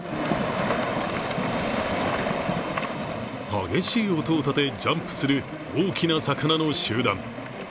激しい音を立て、ジャンプする大きな魚の集団。